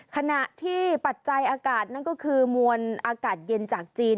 ขณะที่ปัจจัยอากาศนั่นก็คือมวลอากาศเย็นจากจีน